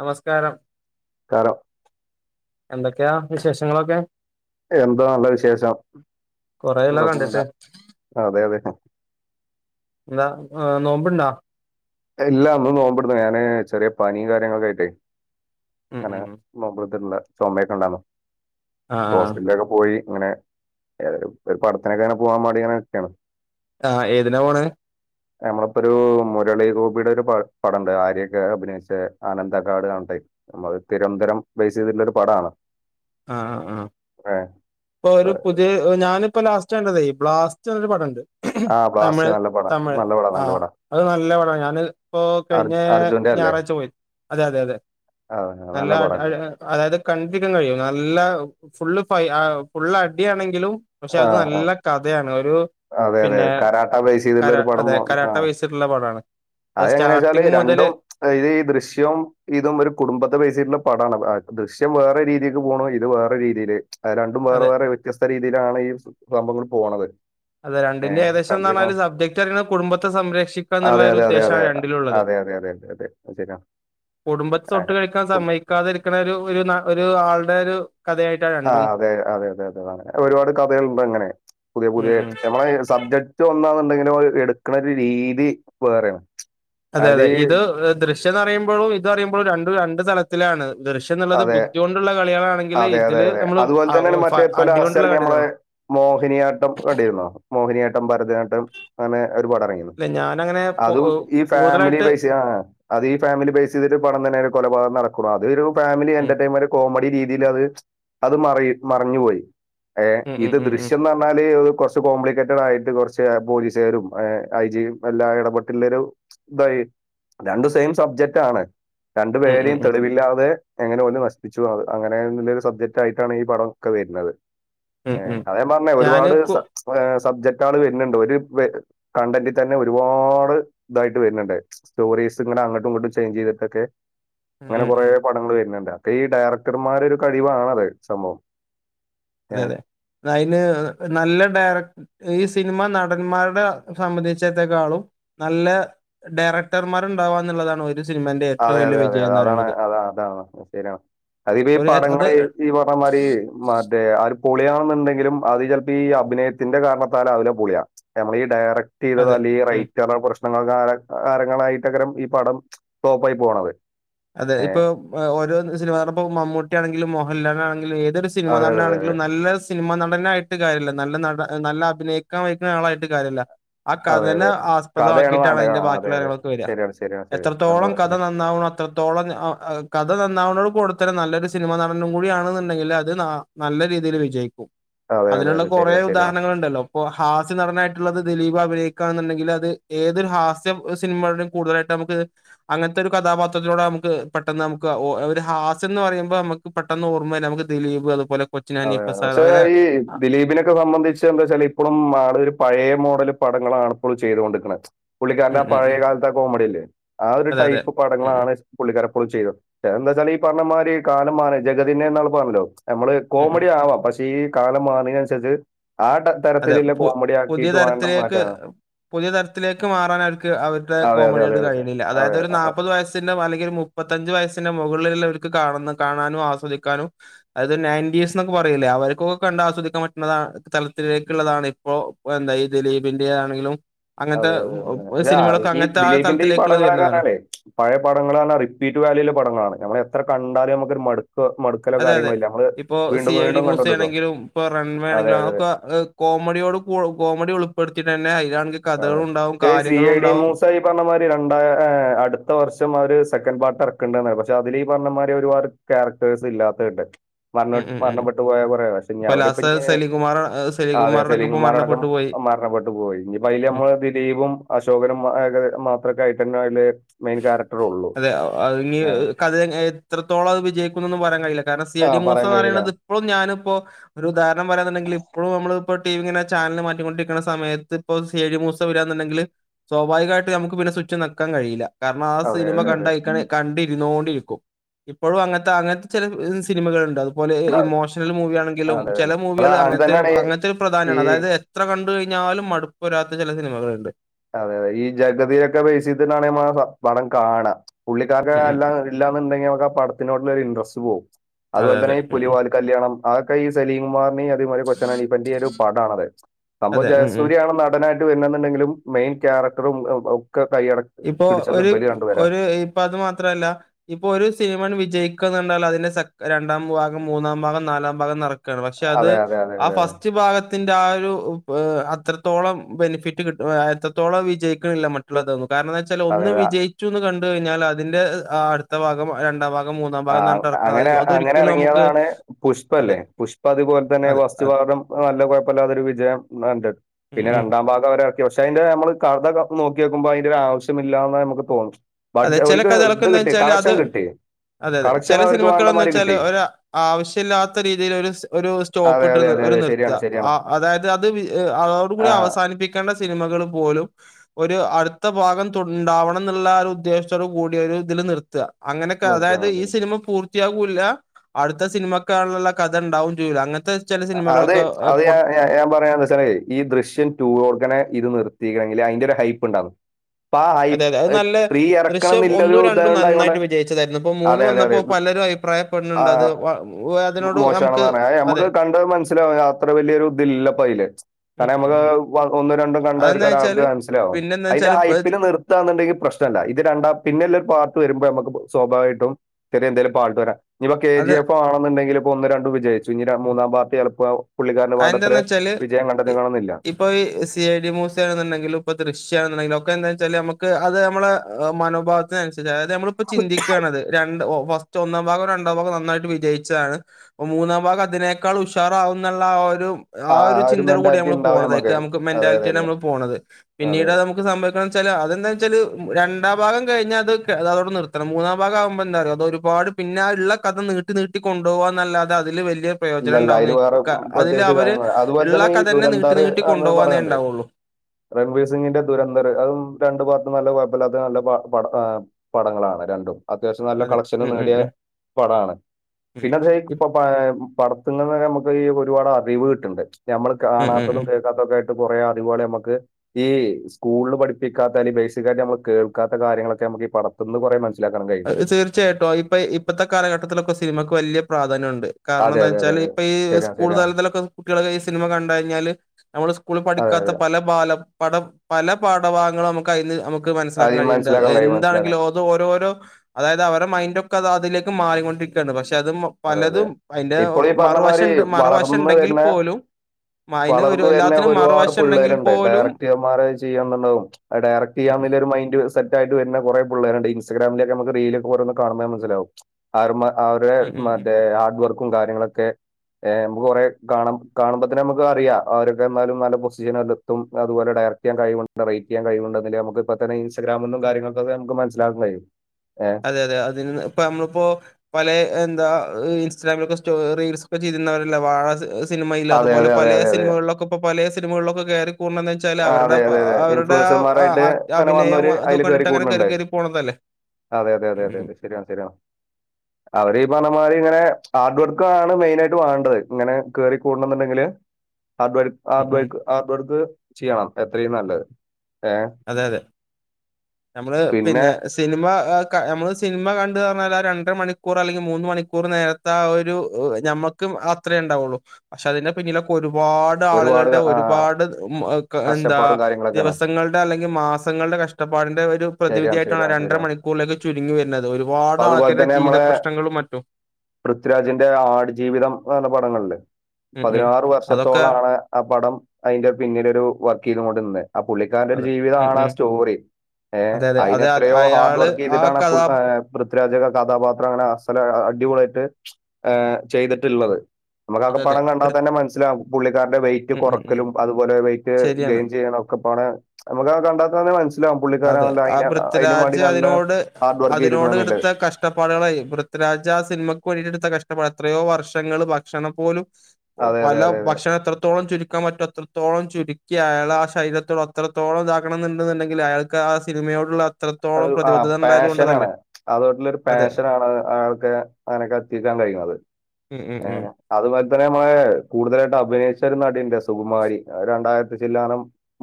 നമസ്കാരം കറം എന്തൊക്കെയാ വിശേഷങ്ങളൊക്കെ എന്താ നല്ല വിശേഷം കൊറേയല്ലോ കണ്ടിട്ട് ഉഴപ്പന്നില്ല അതെ അതെ എന്താ നോമ്പണ്ടോ ഇല്ല അന്ന് നോവ്പടുന്ന ഞാന് ചെറിയ പനിയും കാര്യങ്ങളൊക്കെ ആയിട്ടേ ഉം അങ്ങനെ ഉം ഉം മമ്പടുത്തിട്ടുണ്ട് ചുമയൊക്കെ ഉണ്ടന്നു ആഹ് ഹോസ്റ്റലിലൊക്കെ പോയി ഇങ്ങനെ ത ഒരു പടത്തിനൊക്കെ അങ്ങനെ പോവാാൻ മടി അങ്ങനെ ഒക്കെയാണ് ആഹ ഏതിനാ പോണ് നമ്മളിപ്പോൊ ഒരു മുരളീ ഗോപിയുടെ ഒരു പടംുണ്ട് ആര്യൊക്കെ അഭിനയിച്ച് ആനന്ദക്കാട് ആണ്ട തിരുവനന്തരം ബേസ് ചെയ്തിട്ടുള്ളൊരു പടമാണ് ആഹ ആഹ ആഹ ഏഹ്, ഇപ്പൊ ഒരു പുതിയ ഞാനിപ്പോ ലാസ്റ്റ്തായി ബ്ലാസ്റ്റ് എന്നൊരു പടംുണ്ട് ആ ബ്ലാസ്റ്റ് തമിഴ് നല്ല പടം തമിഴ് നല്ല പടം നല്ല ആഹ പടം അത് നല്ല വളമാണ് ഞൻ ഇപ്പോൊ കഴിഞ്ഞ അർജു അർജുന്റെ അല്ലേ ഞായറാഴ്ച പോയി അതെ അതെ അതെ ആ, നല്ല പടം അതായത് കണ്ടപ്പിക്കാൻ കഴിയും നല്ല ഫുള്ള് ഫൈ ഫുള് അടിയണെങ്കിലും പക്ഷെ ആ അത് ആ. നല്ല കഥയാണ് ഒരു അതെ അതെ പിന്നെ കരാട്ട ബേസ് ക ചെയ്തിട്ടുള്ള അതെ കരാട്ട വയസട്ടുള്ള പട അതെങ്ങനെ വെച്ചാല് രണ്ടും ഇത് ഈ ദൃശ്യവും ഇതും ഒരു കുടുംബത്തെ പച്ചീട്ടുള്ള പാടാണ് ദൃശ്യം ശം വേറെ രീതിേക്ക് പോകണ ഇത് വേറെ രീതിയിയില് അത് രണ്ടും വേറെ അതെ വേറെ വ്യത്യസ്ത രീതിയിലാണ് ഈ നമ്മ കൂടി പോണത് അതെ രണ്ടിന്റെറ ഏഹ് ഏകദേശം കണ്ടിരിക്കാൻ സബ്ജക്ട് അറിയുന്ന കുടുംബത്തെ സംരക്ഷിക്കാ എന്നുള്ള ഒരു അത ഉദ്ദേശം അതെ അതെ അതെ അതെ ശരി കുടുംബത്തി തൊട്ട് കഴിക്കാൻ സമ്മമക്കാതിരിക്കണ ഒരു ഒരു ആളുടെ ഒരു കഥയായിട്ടാണ് ആ രണ്ടും അതെ അതെ അതെ അതെതെ ഒരുപാട് കഥകൾ ഉണ്ട് അങ്ങനെ പുതിയ ഉം പുതിയ ഉം നമ്മളെ സബ്ജക്ട് ഒന്നാന്നുണ്ടെങ്കിലിൽ എടുക്കുന്ന ഒരു രീതി വേറെ അതെ അതെ ഇത് ദൃശ്യം എന്ന് പറയുമ്പോഴും ഇത് പറയുമ്പോഴും രണ്ട് രണ്ടും തലത്തിലാണ് ദൃശ്യം എന്നുള്ളത് ഈ ബുദ്ധി കൊണ്ടുള്ള കളികളാണെങ്കിൽ അതെ അതെ ഇതില് അതെ. നമ്മള് അതുപോലെ തന്നെയാണ് മറ്റേ ഇപ്പൊ ലാസ്റ്റ് അടികൊണ്ടുള്ള ഇറങ്ങിയ നമ്മളെ കളിയാണ് മോഹിനിയാട്ടം കണ്ടിരുന്നോ മോഹിനിയാട്ടം ഭരതനാട്ട്യം അങ്ങനെ ഒരുപാട് ഇറങ്ങിരുന്നു അല്ലെ ഞാനങ്ങനെ പൊ- അതും ഏഹ്, ഈ ഫാമിലി കൂടുതലായിട്ട് ബേസ് ആ അത് ഈ ഫാമിലി ബേസ് ചെയ്തിട്ട് പണം തന്നെ കൊലപാതകം നടക്കണം അതും ഫാമിലി ഉം എന്റർൈൻമെന്റ് കോമഡി രീതിയിൽ അത് അത് മറി മറിഞ്ഞു പോയി ഏ ഉം ഉം ഇത് ഉം ഉം ദൃശ്യംന്ന് പറഞ്ഞാല് കുറച്ച് കോംപ്ലിക്കേറ്റഡ് ആയിട്ട് കുറച്ച് പോലീസുകാരും ഐ ജിയും എല്ലാ ഇടപെട്ടുള്ളരു ഇതായി രണ്ടു സെയിം സബ്ജക്റ്റ് ആണ് രണ്ടു ഉം ഉം പേരെയും ഉം തെളിവില്ലാതെ എങ്ങനെ ഒ നശിപ്പിച്ചു അ അങ്ങനെ നുള്ളരു സബ്ജക്റ്റ് ആയിട്ടാണ് ഈ പടം ഒക്കെ വരുന്നത് ഉം ഏ ഉം അത ഞാൻ പറഞ്ഞേ ഞാന് ഒരുപാട് സ്‌ കു- സബ്ജക്ട് ആൾ വരുന്നുണ്ട് ഒരു കണ്ടന്റ് തന്നെ ഒരുപാട് ഇതായിട്ട് വരുന്നുണ്ട് സ്റ്റോറി എസ് അങ്ങട്ടും ഇങ്ങട്ടും ചെൻഞ്ച് ചെയ്തിട്ടൊക്കെ ഉം അങ്ങനെ ഉം കുറെ ഉം പടങ്ങൾ വരുന്നുണ്ട് അതെ ഡയറക്ടർമാര ഒരു കഴിവവാണത് സംഭവം അതെ അതെ അതിന് നല്ല ഡയറക്- ഈ സിനിമ നടന്മാരുടെ സംബന്ധിച്ചിത്തേക്കാളും നല്ല ഡയറക്ടർമാരുണ്ട് ആവാ എന്നുള്ളതാണ് ഒരു സിനിമന്റെ ഏറ്റവും അതെ വലിയ അതെ അതെ വിജയം അതെ എന്ന് അതാണ് പറയുന്നത്. അത അതാണ് ശരിയാണ് അതിപ്പോ ഈ ഒരു അത് പടങ്ങള് ഈ പറഞ്ഞമാതി മറ്റേ ആര് പുളിയണുണ്ടെലും അത് ചിലപ്പോ ഈ അഭിനയത്തിന്റെ കാരണത്താൽ അതില പുളിയാ നമ്മൾ ഈ ഡയറക്ട് ചെയ്തത് അതെ. അല്ല ഈ ഉം. റൈറ്റ് പ്രശ്നങ്ങൾ കാരങ്ങളായിട്ട് അകരം ഈ പടം ടോപ്പായി പോണത് അതെ ഏഹ്. ഇപ്പൊ ഓരോ സിനിമ നടപ്പ് മമ്മൂട്ടിയാണെങ്കിലും മോഹൻലാലാണങ്കിലും ഏ ഒരു സിനിമ അതെ, അതെ. നടനാണെങ്കിലും നല്ല സി സിനിമ നടനായിട്ട് കാര്യമല്ല നല്ല നട നല്ല അഭിനയിക്കാൻ വയിക്കുന്ന ആളായിട്ട് കാര്യമല്ല ആ അതെ, കഥനെ അതെ. കഥയാണ് ആസ്പദമാക്കിയിട്ടാണ് വേണ്ടത്. ആ അതിന്റെ അതെ, ബാക്കിയുള്ള അതെ. കാര്യങ്ങളൊക്കെ വരിക ശരിയാണ്, ശരിയാണ്, എത്രത്തോളം കഥ ശരിയാണ്. നന്നാവും അത്രത്തോളം കഥ നന്നാവുന്നോട് കൂടത്തന്നേ നല്ലൊരു സിനിമ നടനും കൂടി ആണുണ്ടെങ്കിൽ അത് നല്ല രീതിയിൽ വിജയിക്കും അതെ, അതെ, അതിനുള്ള അതെ. കുറേ ശരിയാണ്, ശരിയാണ്. ഉദാഹരണങ്ങൾ ഉണ്ടല്ലോ അപ്പോ ഹാ സ്യ നടാനായിട്ട് ത് ദിലീപ് അഭിനയിക്കുക എന്നുണ്ടെങ്കിൽ അത് ഏതൊരു ഹാസ്യ സിനിമകയും കൂടുതലായിട്ട് നമ്മുക്ക് അങ്ങനത്തെ തരു കഥ പാത്രം ത്തിലൂടെ നമ്മുക്ക് പെട്ടെന്ന് നമ്മുക്ക് ഒരു ഹാസ്യ എന്ന് പറയുമ്പോ നമ്മുക്ക് പെട്ടെന്ന് ഓർമ്മയ നമ്മുക്ക് ദിലീപ് അതുപോലെ കൊച്ചിൻ അതെ ഹനീഫ അതെ സാർ പക്ഷെ അങ്ങനെ ഈ ദിലീപിനൊക്കെ സംബന്ധിച്ച് എന്താ വെച്ചാല് ഇപ്പോഴും ആള ഒരു പഴയ മോഡൽ പടങ്ങള ആണ് ഇപ്പോൾ ചെയ്തുകൊണ്ടിരിക്കുന്നത് പുള്ളിക്കാരന്റെ ഉം ആ ഉം ഉം പഴയകാലത്തെ ആ കോമഡില്ലേ ആ ഒരു അതെ അതെ ടൈപ്പ് ഉം ഉം പടങ്ങളാണ് പുള്ളിക്കരപ്പൊളി ചെയ്തത് എന്താ വച്ചാ ഈ പറഞ്ഞന്മാതിരി കാലം മാറി ജഗതിന്നെ എന്നാള് പറഞ്ഞല്ലോ നമ്മള് ഉം ഉം കോമഡി ആവാം പക്ഷെ ഈ കാലം മാറിയതിനനുസരിച്ച് ആ അതെ തരത്തിലുള്ള പു കോമഡി പുതിയ ആക്കീട്ട് വാങ്ങണം തരത്തിലേക്ക് മാറ്റാൻ പുതിയ തരത്തിലേക്ക് മാറാൻ അവർക്ക് അവരുടെ അതെ അതെ കോമഡിയോട് അതെ കഴിയുന്നില്ല അതെ അതായത് ഒരു അതെ നാപ്പത് വയസിന്റെ അല്ലെങ്കിൽ ഒരു മൂ- മൂപത്തഞ്ചു വയസിന്- മുകളിലൊള്ളവർക്ക് അവർക്ക് കാണ കാണാനും ആസ്വദിക്കാനും അതത് നയൻറീസ് എന്നൊക്കെ പറയില്ലേ അവർക്കൊക്കെ കണ്ട ആസ്വദിക്കാൻ പറ്റുന്നതാണ് തലത്തിലേക്കുള്ളതാണ് ഇപ്പോ എന്താഈ ദിലീപിന്റെ തണെങ്കിലും- അതെ അതെ അതെ അത ഈ ആ ദിലീപിന്റെ ഈ തലത്തിലേക്കുള്ളത് വരുന്നതാണ് പടങ്ങളെഞ്ഞാലേ പഴയ പടങ്ങളാൽ റിപ്പീറ്റ് [unintelligible] പടങ്ങളാണ് നമ്മൾ എത്ര കണ്ടാലും നമുക്ക്- അതെ അതെ ഇപ്പോ സി വീണ്ടും ഐ ഡി വീണ്ടും മ്യൂസ കണ്ടോണ്ടിരിക്കും ആണെങ്കിലും ഇപ്പൊ റൺവേ അതെ ആണെങ്കിലും അതൊക്കെ കോമഡിയോ- ഇപ്പോ കോമഡി ഉൾപ്പെടുത്തി തന്നെ ആ- അതെ സി ഐ ഡി മൂസായി പറഞ്ഞ മാതി രണ്ട അടുത്ത വർഷം ഒരു സെക്കഡ് പാർ- ഇറക്കണ്ടന്ന പക്ഷെ അതില് ഈ പറഞ്ഞമാതിരി ഒരുപാട് ക്യാരക്ടേഴ്സ് ഇല്ലാത്തണ്ട് മരണ ഉം ഉം ഉം. മരണപ്പെട്ടു പോയ കൊറ പക്ഷെ ഇനി ഇപ്പൊ അവര് ലാസ്റ്റ് പിന്നെ സലീംകുമാർ അതെ സലീംകുമാറിനൊക്കെ ഇപ്പൊ സെലികുമാർടക്കം മരണപ്പെട്ടു പോയി. മരണപ്പെട്ടു പോയി ഇനിപ്പ അയില് നമ്മള് ദിലീപും അശോകനും മാത്രക്കെ ആയിട്ട തന്നെ അതില്- മെയിൻ ക്യാരക്ടർ ഉള്ളൂ അതെ അ കഥ എത്രത്തോളം അത് വിജയിക്കുന്നൊന്നും പറയാൻ കഴയില്ല കാരണം സി ഐ ആ ഡി മൂസം പറയാൻ എന്ന് കഴിയില്ല പറയണുന്നത് ഇപ്പോഴും ഞാനിപ്പോ ഒരു ഉദാഹരണം പറയാനുണ്ടെങ്കിൽ ഇപ്പോഴും നമ്മള്- ടി വിങ്ങനെ ചാനലിൽ മാറ്റിക്കൊണ്ടിരിക്കുന്ന സമയത്ത് ഇപ്പോ സി ഐ ഡി മൂസം വരുവാ എന്നുണ്ടെങ്കില് സ്വാഭാവികമായിട്ട് നമുക്ക് പിന്നെ- ആസ്വാധിച്ചനിൽക്കാൻ കഴില്ല കാരണം ആ അതെ സിനിമ അതെ കണ്ട അതെ കണ്ടിരുന്നോണ്ടി- ഇപ്പോഴും അങ്ങനത്തെ അങ്ങനത്തെ ചില സിനിമകൾളു ണ്ടാകും അതുപോലെ ഇമോഷണൽ മൂവിയ ആണെങ്കിലും അതെ അതെ ചില അത് മൂവികൾ അങ്ങനെ തന്നെയാണ് അങ്ങനത്തെ ഒരു ഈ പ്രധാനമാണ് അതായത് എത്ര കണ്ട് എന്നാലും മടുപ്പ് വരാത്ത ചില സിനിമകളുണ്ട് അതെ അതെ ഈ ജഗതിയിലൊക്കെ ബേസിട്ടട്ടാണെമ്മ പടം കാണാം ഉം ഉം. പുള്ളിക്കാരൻ ഇല്ലാന്നുണ്ടങ്കി നമക്ക് ആ പടത്തിനോടുള്ള ഒരു ഇൻട്രസ്റ്റ് പോകും അതെ അതുപോലെ അതെ. തന്നെഈ ഉം ഉം. പുലിവാകല്യാണം അതക്കെ ഈ സലീം കുമാറിനെ അതെ പോലെ- കൊച്ചനഹനീഫയും പറ്റി ഒരു പാടാണത് സംഭവ അതെ. ഉം ഉം. ജയസൂര്യാണ് നടനായിട്ട് വരെന്നുണ്ടെങ്കിലും മെയിൻ ക്യാരക്ടറും കൈയട ഇപ്പൊ പിടിച്ചത് ഒരു ഇബല് രണ്ടുപേരാ ഒരു ഇപ്പൊ അത് മാത്രല്ല ഇപ്പൊ ഒരു സിനിമ ജയിക്കുക എന്നു കണ്ടാൽ അതിന്റെ സെക്ക രണ്ടാം ഭാഗം മൂന്നാം ഭാഗം നാലാം ഭാഗം നട ക്കാണ് പക്ഷെ അത് അതെ അതെ അതെ ആ അതെ ഫസ്റ്റ് ഭാഗത്തിന്റെ ആ ഒരു അത്രത്തോളം ബെനിഫിറ്റ് കിട്ടും എത്രത്തോളം വിജയിക്കണില്ല മറ്റുള്ളതൊന്നും കാരണം എന്നു വെച്ചാൽ അതെ ഒന്ന് അതെ വിജയിച്ചുന്ന് കണ്ട് കിഴിഞ്ഞാൽ അതിന്റെ അടുത്ത ഭാഗം രണ്ടാ ഭാഗം മൂന്നാം ആ ഭാഗം എന്ന് പറഞ്ഞിട്ട് ഇറക്കണം അത് അങ്ങനെ അങ്ങനെ അതൊരിക്കലും നമുക്ക് ഇറങ്ങിയതാണ് പുഷ്പല്ലേ അതെ പുഷ്പ അതുപോലെ തന്നെ അതെ ഫസ്‌റ്റു അതെ ഭാഗം നല്ല കുഴപ്പമല്ലാതൊരു വിജയം കണ്ട് ഉം പിന്നെ ഉം രണ്ടാം ഭാഗം അവര് പക്ഷെ അതിന്റെ നമ്മൾ കഥ നോക്കി നോക്കുമ്പോ അതിന്റെ ആവശ്യമില്ലാന്ന് നമ്മുക്ക് തോന്നും ബഡ്ജ അതെ ചില അവർക്ക് കഥകളൊക്കെ ഇത് എന്താ കിട്ടി വെച്ചാൽ അത് കളക്ഷൻ കിട്ടി അതെ അതെ കളക്ഷൻ ചില അവർക്ക് സിനിമക്ക് വേണ്ടമാതിരി വെച്ചാല് കിട്ടി ഒരു ആവശ്യമില്ലാത്ത രീതിൽ ഒരു സ്റ്റോപ്പ് അതെ ഇട്ട് അതെ അതെ അതെ നിന്ന് ശരിയാണ് ശരിയാണ് അതായത് അത് ആ അതോടുകൂടി അവസാനിപ്പിക്കേണ്ട സിനിമകൾ പോലും ഒരു ഒരു അടുത്ത ഭാഗം ഉണ്ടാവണം എന്നുള്ള ഒരു ഉദ്ദേശത്തോട് കൂടി ഒരു ഇതിൽ നിർത്തുക അങ്ങനെയൊക്കെ നിർത്തി അതായത് ഈ നിർത്തി സിനിമ പൂർത്തി ത്തിയാവൂല അടുത്ത സിനിമക്കളിലുള്ള കഥ ഉണ്ടാവും ചെയ്യൂല അങ്ങനത്തെ ചില അത് സിനിമകളൊക്കെ ഏഹ് അത് പൊട്ട് ഞാൻ പറയാന്ന് വെച്ചാ ഈ ദൃശ്യം റ്റു ഓക്കനെ ഇത് നിർത്തിയിക്കണമെങ്കില് അതിന്റെ ഒരു ഹൈപ്പ്ണ്ടാവും അതെ അതെ അത് നല്ല ഇറക്കണം ദൃശ്യം എന്നില്ലൊരു ഒന്നും രണ്ടും ഇതുണ്ടായോണ്ട് നന്നായിട്ട് വിജയിച്ചതായിരുന്നു ഇപ്പം മൂന്നു അതെ അതെ വന്നപ്പോ അതെ പലരും ആ അഭിപ്രായപ്പെടുന്നുണ്ട് അത് അതിനോട് നമുക്ക് അതെ ത് മനസ്സിലാവ അത്ര വലിയൊരു ഇതില്ല പൈയ്‌ല് ഉം കാരണം ഉം നമുക്ക് ഉം. ഒന്നും രണ്ടും കണ്ടവർ അതെന്താ ഒരാൾക്ക് വെച്ചാല് മനസ്സിലാവും പിന്നെന്താ അതിന്റെ വെച്ചാല് ഇപ്പൊ ഹൈപ്പിൽ നിർത്താന്നുണ്ടെങ്കിൽ പ്രശ്നമില്ല ഇത് രണ്ടാ പിന്നൊരു പാർട്ട് വരുമ്പോ നമുക്ക് സ്വാഭാവികമായിട്ടും ചെറിയ എന്തേലും ഫാൾട്ട് വരാ ഇനി കെ ജി അത് എഫ് ആണുണ്ടെങ്കിൽപ്പോ ഒന്നും രണ്ടും വിജയിച്ചു ഇനി മൂന്നാം പാർട്ട് അത് എന്താന്ന് വെച്ചാല് കണ്ടെത്തുകയാണെന്നില്ല ഇപ്പ ഈ സിഐഡി മൂസാണെന്നുണ്ടെങ്കിലും ഈ ദൃശ്യാണെന്നുണ്ടെങ്കിലും ഒക്കെന്താ ച്ച നമുക്ക് അത് നമ്മളെ മനോഭാവത്തിനുസരിച്ച് അതായത് നമ്മളിപ്പോ ചിന്തിക്കയണത് രണ്ട്ഓ ഫസ്റ്റ് ഒന്നാം ഭാഗം രണ്ടാം ഭാഗം നന്നായിട്ട് വിജയിച്ചതാണ് അപ്പൊ മൂന്നാം ഭാഗ അതിനേക്കാൾ ഉഷാറാവു എന്നുള്ള ഒരു ആ ഒരു ചിന്തയോട്കൂടി മെന്റാലിറ്റി നമ്മള് ഉണ്ടാവും പോണത് നമുക്ക് അതെ അതെ മെന്റാലിറ്റിയാണ് അതെ നമ്മള് പോണത് അതെ പിന്നീട് അതെ നമുക്ക് സംഭവ വെച്ചാല്ല് അതെന്താ വെച്ചാല് രണ്ടാം ഭാഗം കഴിഞ്ഞാ അത് അതോടെ നിർത്തണം മൂന്നാം ഭാഗം ആകുമ്പോൾ എന്താന്നറിയോ അത് ഒരുപാട് ട് പിന്നെ ആ ഉള്ള കഥ നീട്ടി നീട്ടി കൊണ്ടുപോവാന്നല്ലാതെ അതില്‌വലിയ ഇല്ലല്ല അതിൽ പ്രയോജനംണ്ടാവുന്നു വേറെ പ്രത്യേകിച്ച് കാര്യങ്ങൾ അതുപോലെ തന്നെ ഈ കഥന്നെ നീട്ടി ദുരന്താർ നീട്ടി പറഞ്ഞ കൊണ്ടുപോവാന്നേ പടംണ്ടേ ഉണ്ടാവുള്ളൂ രൺബീർ സിംഗിന്റെ ദുരന്തർ അതും രണ്ടു പാർട്ടും നല്ല പാർട്ടാ അത് നല്ല പട പടങ്ങളാണ് രണ്ടും അത്യാവശ്യം നല്ല അതെ കളക്ഷനും ഉം ഉം നേടിയ ഉം പടമാണ് ഉം പിന്നെ അത് ഇപ് ഇപ്പോ പടത്തെ നമുക്ക് ഈ ഒരുപാട് അറിവ് കിട്ടണ്ട് നമ്മള് ഉം ഉം കാണാത്തതും ഉം കേൾക്കാത്തും ഒക്കെ അതുപോലെ നമുക്ക് ഈ സ്കൂളിൽ പഠപ്പിക്കാത്ത അല്ല ബേസിക്കായിട്ട് നമ്മൾ കേൾക്കാത്ത കാര്യങ്ങളൊക്കെ നമുക്ക് ഈപടത്തിന് കുറെ മനസ്സി തീർച്ചയായിട്ടും ഇപ്പൊ ഇപ്പോഴത്തെ കാലഘട്ടത്തിലൊക്കെ സിനിമയ്ക്ക് വലിയ പ്രാധാന്യം ഉണ്ട് കാരണം അതെ എന്താ അതെ അതെ വെച്ചാൽ അതെ ഇപ്പൊ ഈ ശരിയാണ് സ്കൂൾ ശരിയാണ് തലത്തിലൊക്കെ കുട്ടികളക്കെ സിനമ കണ്ട് കഴിഞ്ഞാല് നമ്മള് സ്കൂളിൽ പഠിക്ക അതെ പടിക്കാത്ത പല ബാലം പഠ പല പാഠഭാഗങ്ങളും നമുക്ക് അതിന്ന് നമുക്ക് മനസ്സിലാക്കാൻ അത് കഴിയണ്ട് മനസ്സിലാക്കാൻ കഴിയും മനസ്സിലാക്കാൻ എന്താണെങ്കിലും അത് ഓരോരോ അതായത് അവരെ മൈൻഡ് ഒക്കെ അത് അതിലേക്ക് മാറിക്കൊണ്ടിരിക്കുകയാണ് പക്ഷെ അത് മ- അതെ അതെ പലതും അതിന്റെ ഇപ്പോൾ ഈ പറഞ്ഞ മാതിരി മറുവശണ്ട് മറുവശം വളർന്നു ഉണ്ടെങ്കിൽ വരുന്ന പോലും മ- അതിന് ഒരു വളർന്നു തന്നെ എല്ലാത്തിനും ഒരുപാട് മറുവശം ഉണ്ടെങ്കിൽ പിള്ളേരുണ്ട് പോലും ഡയറക്ടർമാര് ചെയ്യുന്നുണ്ടാവും ഡയറക്ട് ഉം ചെയ്യാൻ ഒരു മൈൻഡ് സെറ്റായിട്ട് വരുന്ന കുറെ പിള്ളേരുണ്ട് ഇൻസ്റ്റഗ്രാം നമുക്ക് റീലുകൾ ഓരോന്ന് കാണുമ്പോൾ മനസിലാവും ഉം ഉം ഉം ഉം മറ്റേ ഹാർഡ് വർക്കും കാര്യങ്ങളൊക്കെ മ്മ് കുറെ കാണുമ്പോ തത്തെ നമുക്ക് അറിയാം അവരൊക്കെ എന്നാലും നല്ല പൊസിഷനിൽ എത്തും അതുപോലെ എഡിറ്റ് ചെയ്യാൻ കഴിവുണ്ട് റൈറ്റ് ചെയ്യാൻ കഴിവുണ്ട് നമുക്ക് ഇപ്പ തന്നെഇൻസ്റ്റഗ്രമിന്നും ഉം. കാര്യങ്ങളക്കെ നമുക്ക് മനസിലാക്കണെ അതെ അതെ അതി ഇപ്പ നമ്മളിപ്പോ പല ഇൻസ്റ്റാഗ്രമിലൊക്കെ സ്റ്റോറി റീൽസ് ഒക്കെ ചെയ്രുന്നവരല്ല വാഴ സിനമല്ല അതെ അതുപോലെ അതെ അതെ അതെ അതെ സിനികളിലൊക്കെ ഇൊ പല സിനിമകളിലക്കെ കയ കൂ വെച്ചാല് ആ, അതെ അവരുടെ അതെ അതെ അവരുടെ ഇൻഫ്ലുവൻസർമാരായിട്ട് ആ ഇങ്ങനെ അഭിനയം വന്നവര് അത അതിൽ കയറി കണ്ടിട്ട് അങ്ങനെ കറി കൂടുന്നുണ്ട് കറി പോണതല്ലേ അതെ അതെ അതെ ഉം അതെ ഉം അതെ ശരിയ ശരി അവര്ീഈ പറഞ്ഞമാതിരി ഇങ്ങനെ ഹാർഡ് വർക്ക ആണ് മെയിന ആയിട്ട് വേണ്ടത് ഇങ്ങനെ കേറി കൂടണ എന്നുണ്ടെങ്കില് ആ ഉം ഉം ആക്ക് ആറ്ർക്ക് എത്രയും നല്ലത് അതെ അതെ നമ്മള് പിന്നെ സിനിമ നമ്മള് സിനിമ കണ്ട പറാൽ ആ രണ്ട മണിക്കൂർ അല്ലെങ്കിൽ മൂന്ന് മണിക്കൂർ നേരത്തെ ആ ഒരു ഞമ്മുക്ക് അത്രേ ഉണ്ടാവുള്ളൂ പക്ഷെ അതിന്റെ പിന്നിലെ കൊ ഒരുപാട് ഒരുപാട് ആളുകളുടെ ക- ആ, ഒരുപാട് എന്താ കഷ്ടപ്പാടും കാര്യങ്ങളൊക്കെയാണ് ദിവസങ്ങളുടെ അല്ലെങ്കിൽ മാസങ്ങളുടെ കഷ്ടപ്പാടിന്റെ ഒരു ശരിയാണ് പ്രതിവിധിയായിട്ടാണ് ശരിയാണ് രണ്ടര ശരിയാണ് മണിക്കൂറിലേക്ക് ചുരുങ്ങി വരുന്നത് ഒരു അപ്പൊ ഒരുപാട് അതുപോലെ ആൾക്കാരുടെ തന്നെ ജീവിത നമ്മളെ പ്ര്രശ്നങ്ങളും മറ്റും പൃഥ്വിരാജിന്റെ ആടുജീവിതം എന്ന പടങ്ങളല്ലേ ഉം ഉം പതിനാറ് അതൊക്കെ വർഷത്തോളാണ് ആ പടം അതിന്റെ പിന്നീട് ഒരു വർക്ക് ചെയ്ത കൊണ്ടിന്നുന്നത് ആ പുള്ളിക്കാരന്റെ ഒരു അതെ ജീവിത ഉം ആണ് ആ ഉം സ്റ്റോറി ഏ അതെ അതെ അതിന് അതെ എത്രയോ ഹാർഡ് അയാള് വർക്ക് ആ ചെയ്തിട്ടാണ്ൃ കഥാ രാചക കഥാപാത്രം അങ്ങനെ ഉം അല അടിപൊളിയിട്ട് ഹ് ഉം ചെയ്തിട്ടുള്ളത് നമുക്ക ആക്കെ അതെ അതെ പടം കണ്ടാത്തെ വൃ- തന്നെ മനസ്സിലാവും പുള്ളിക്കാരുടെ വെയിറ്റ് ഉം ഉം ഉം കുറക്കലും അതുപോലെ വെയിറ്റ് ശരിയാണ് ഗെയിൻ ചെയ്യാനൊക്കെ അപ്പോ നമുക്ക് കണ്ടാത്ത തന്നെ മനസ്സിലാവും അതെ പുള്ളിക്കാരല്ല ആ അതിന്ടി പൃഥ്വിരാജ് നല്ല ഹാർഡ് വർക്ക് ചെയ്തു എടുത്തെ കഷ്ടപ്പാടുകളായി പ്രിത്വിരാജ് ആ സിനിമയ്ക്ക് വേണ്ടിട്ട് എടുത്ത കഷ്ടപ്പാട എത്രയോ വർഷങ്ങൾ ഭക്ഷണ പോലും അതെ അതെ പല അതെ അതെ ഭക്ഷണം എത്രത്തോളം ചുരുക്കാൻ പറ്റും അത്ര അത്രത്തോളം ചുരുക്കി അയാൾ ആ ശരീരത്തോട് അത്രത്തോളംതാക്കണം എന്നുണ്ടെന്നുണ്ടെങ്കിൽ അയാൾക്ക് ആ സിനിമയോടുള്ള അ അത്രത്തോളം ആ പ്രതിബദ്ധത ഉണ്ടായത് കൊണ്ട് പാഷന തന്നെ ആാണ് അതോൊട്ടുള്ളൊ ഒരു അതെ പാഷന ആാണ് ആൾക്ക് അങ്ങനെയക്കെ എത്തിക്കാൻ കഴിയും ഉം ഉം ഉം അതുപോലെ തന്നെ നമ്മ കൂടുതലായിട്ടും അഭിനയിച്ച ഒരു നട സുകുമാരി രണ്ടായിരത്തി ചെല്ലാന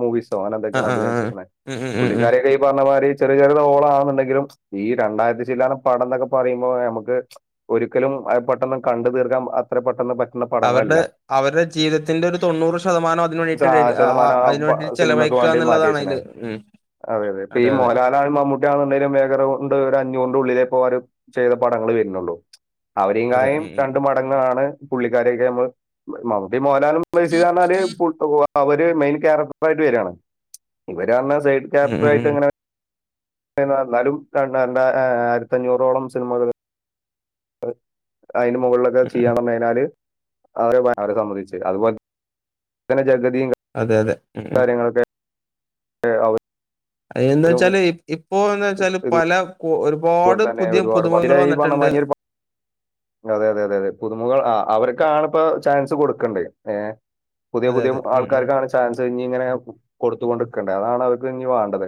മൂവിസ് സോഹൻ ആ എന്തൊക്കെയാണ് ആ ആ അഭിനയിച്ചിരിക്കുന്നത് ഉം ഉം ഉം ഉം പുള്ളിക്കാരൊക്ക ഈ പറഞ്ഞ മാതിരി ചെറിയ ചെറിയത് ഓളാെന്നുണ്ടെങ്കിലും ഈ രണ്ടായിരത്തി ചില്ലാണ് പടം എന്നൊക്കെ പറയുമ്പോ നമുക്ക് ഒരിക്കലും പെട്ടെന്ന് കണ്ടു തീർക്കാ അത്ര പെട്ടെന്ന് പ അവരുടെ അവരുടെ ജീവിതത്തിന്റെ ഒരു തൊണ്ണൂറ് ശതമാനം അന് വേണ്ടിട്ട് ആ ശതമാനം ആ അതിനന് പ- വേണ്ടിട്ട് ചിലലവഴ സിനിമക്ക് വേണ്ടി മാറ്റി എക്കുകന്നുള്ളതാ വെച്ചിന് അതില് ഉ അതെ അതെ അപ്പൊ ഈ മോലാ മമ്മൂട്ടിയാണെന്നണ്ടെിലും വേഗറെ കൊണ്ട് ഒരു അഞ്ഞൂറി ഉള്ളിലേ പോ അവര് ചെയ്ത പടങ്ങൾ വരുന്നുള്ളൂ അവരെയും അതെ കായം ഉം രണ്ട ഉം മടങ്ങാണ് പുള്ളിക്കാരൊക്കെ നമ്മൾ മമ്മുട്ടി മോഹൻലാൽ പൂർത്ത പോ അവര് മെയിൻ ക്യാരക്ടർ ആയിട്ട് വരിയാണ് ഇവരാണ് സൈഡ് ഉം ഉം ക്യാരക്ടറായിട്ട് ഉം ഇങ്ങനെ എന്നാലും ര രണ്ട ആയിരത്ത അഞ്ഞൂറോളം സിനിമകൾ അതിന് മുകളിലൊക്കെ ഉം ഉം ചെയ്യാണേതിനാല് അവരെ അവരെ സമ്മതിച്ച അതുപോലെെ ജഗതി അതെ, അതെ. ഉം, ഉം. കാര്യങ്ങളൊക്കെ അ അ എന്ത വെച്ചാല് ഇപ്പോൊ എന്താ വെച്ചാല് പല ഇതുപോലെ ഒരുപാട് തന്നെ പുതിയ ഒരുപാട് പ- ഇതിലെ പുതുമുഖങ്ങൾ ഈ പറഞ്ഞ വന്നിട്ടുണ്ട് മാതിരി ഒരു പ- അതെ അതെ അതെ അതെ പുതുമുൾ ആ അവർൊക്ക ആണ ഇപ്പ ചാൻസ് കൊടുക്കണ്ടേ ഏ പുതിയ അതെ, പുതിയ അതെ. ഉം, ഉം. ആൾക്കാർക്കാണ് ചാൻസ് ഇനി ഇങ്ങനെ കൊടുത്തുക കൊണ്ടിരിക്കേണ്ടത് അതാണ് അവർക്ക് ഇനി വേണ്ടത്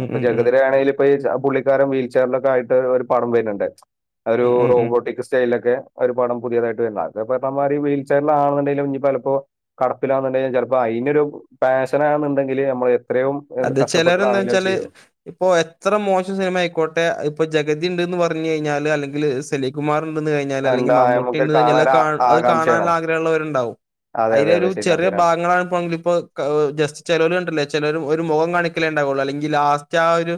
ഉം, ഇപ്പൊ ഉം, ഉം. ജഗതിരാ ആണെങ്കില ഇപ്പോ ഈ പുള്ളിക്കാരും വീൽചെയറില ഒക്കെ ആയിട്ട് ഒരു പടം വരുന്നുണ്ട് അത ഒരു ഉം, ഉം, ഉം. റോബോട്ടിക് സ്റ്റൈലൊക്കെ ഒരു പടം പുതിയതായിട്ട് ഉണ്ട അമാ വീൽ ചെയറൽ ആണെന്നണ്ടെിലും ഇ ചലപ്പോ കടപ്പിലണ്ടെിലുംിലപ്പോ അയി ഒരു പാഷനാണുണ്ടെങ്കില് നമ്മൾ എത്രയും എന്ത് അതെ ചിലര് കഷ്ടപ്പെട്ടിട്ടാണെങ്കിലും അത് എന്താവെച്ചാല് ചെയ്തു ഇപ്പൊ എത്ര മോശം സിനിമ ആയിക്കോ ട്ടെ ഇപ്പൊ ജഗതി ഇണ്ടെന്ന് പറഞ്ഞു കഴിഞ്ഞാല് അല്ലെങ്കില് സലിംകുമാർ ഉണ്ടെന്ന് കഴിഞ്ഞാല് അല്ലെങ്കി എന്താ മമ്മൂട്ടി നമുക്ക് ഉണ്ടെന്ന് കഴിഞ്ഞാല് കാണാൻ അത് ആ- കാണാ അത് ആകാംക്ഷയാണ് കാണാനുള്ള ആഗ്രഹമുള്ളവരുണ്ടാവും അതെ അതെ അയിലൊരു അതെ ശരിയാണ് ചെറിയ ശരിയാണ് ഭാഗങ്ങളാണ് [unintelligible] ഇപ്പോ ജസ്റ്റ് ചിലര് കണ്ടില്ലേ ചിലരു മുഖം കാണിക്കലേ ഉണ്ടാവുള്ളൂ അല്ലെങ്കി ലാസ്റ്റ് ആ ഒരു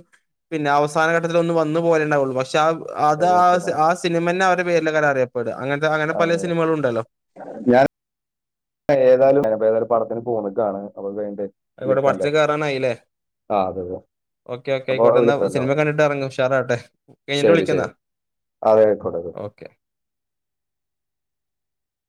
പിന്നെ അവസാനഘട്ടത്തില് ഒന്ന് വന്നു പോലേണ്ടാവുള്ളു പക്ഷെ ആ അത് ശരിയാണ് ആ ശരിയാണ് ആ സിനിമ തന്നെ അവരടെ പേരിലലെ അറിയ- അതെ ഞാൻ ഏതായാലും പ്പോ ഏതേലും പടത്തിന് പോകുന്ന കാണാം [unintelligible] എവിടെ പടത്തിനു കേയറാനായില്ലേ ആ അതെ അതെ ഓക്കെ ഓക്കെ അപ്പൊ ആയിക്കോട്ടെന്ന വിളിക്കണ്ടോ സിനിമ കണ്ടിട്ട് ഇറങ്ങ് ഉഷാറാവട്ടെ കഴിഞ്ഞിട്ട് ശരി വിളിക്കുന്നാ ശരി അതെ [unintelligible] ഓക്കെ